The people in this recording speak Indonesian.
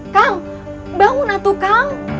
kang bangun atu kang